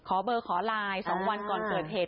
ขอเบอร์ขอไลน์๒วันก่อนเกิดเหตุ